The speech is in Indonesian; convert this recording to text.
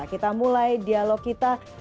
kita mulai dialog kita